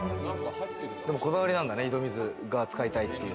こだわりなんだね、井戸水が使いたいっていう。